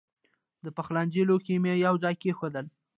د پخلنځي لوښي مې یو ځای کېښودل.